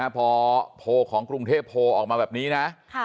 พอโพลของกรุงเทพโพลออกมาแบบนี้นะ